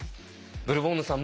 ブルボンヌさん